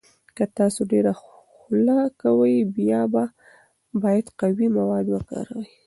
که تاسو ډیر خوله کوئ، بیا باید قوي مواد وکاروئ.